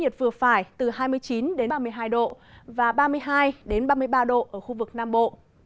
nhiệt vừa phải từ hai mươi chín ba mươi hai độ và ba mươi hai ba mươi ba độ ở khu vực nam bộ